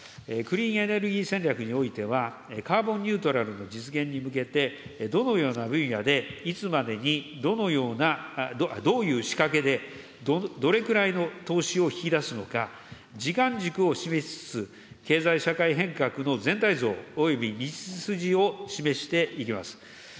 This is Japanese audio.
クリーンエネルギー戦略においては、カーボンニュートラルの実現に向けて、どのような分野で、いつまでに、どのような、どういう仕掛けで、どれくらいの投資を引き出すのか、時間軸を示す経済社会変革の全体像および道筋を示していきます。